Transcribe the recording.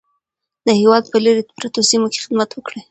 د هېواد په لیرې پرتو سیمو کې خدمت وکړئ.